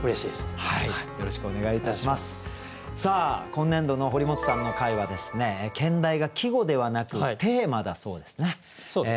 今年度の堀本さんの回は兼題が季語ではなくテーマだそうですね。